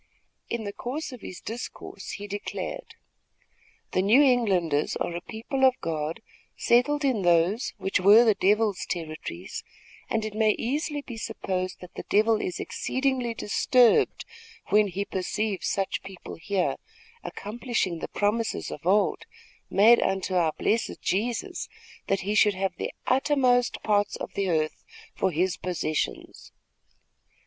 In the course of his discourse, he declared: "The New Englanders are a people of God settled in those, which were the devil's territories, and it may easily be supposed that the devil is exceedingly disturbed, when he perceives such people here, accomplishing the promises of old, made unto our blessed Jesus, that he should have the uttermost parts of the earth for his possessions.